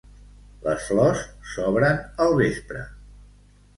Les flors s'obren al vespre.